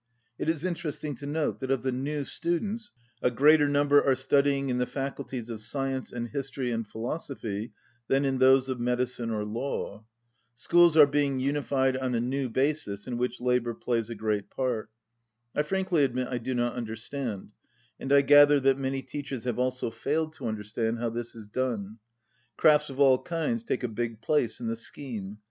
It, is interesting to notice that of the new students a greater number are studying in the faculties of science and history and philosophy than in those of medicine or law. Schools are being unified on a new basis in which labour plays a great part. I frankly admit I do not understand, and I gather that many teachers have also failed to understand, how this is done. Crafts of all kinds take a big place in the scheme.